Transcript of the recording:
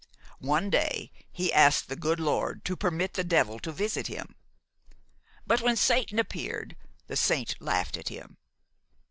So one day he asked the good Lord to permit the devil to visit him; but when Satan appeared the saint laughed at him.